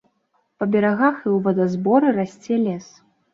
Па берагах і ў вадазборы расце лес.